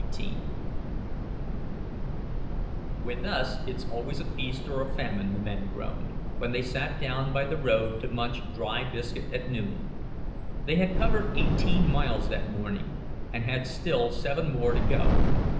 XVIII "With us it's always a feast or a famine," the men groaned, when they sat down by the road to munch dry biscuit at noon. They had covered eighteen miles that morning, and had still seven more to go.